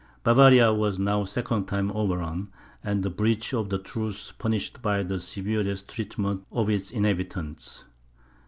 Bavaria was now a second time overrun, and the breach of the truce punished by the severest treatment of its inhabitants.